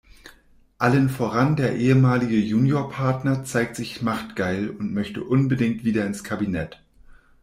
Allen voran der ehemalige Juniorpartner zeigt sich machtgeil und möchte unbedingt wieder ins Kabinett.